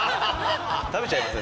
食べちゃいますよ。